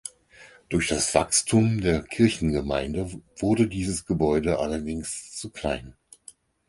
Durch das Wachstum der Kirchengemeinde wurde dieses Gebäude allerdings zu klein.